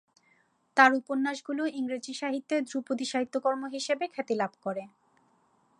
তার উপন্যাসগুলো ইংরেজি সাহিত্যের ধ্রুপদী সাহিত্যকর্ম হিসেবে খ্যাতি লাভ করে।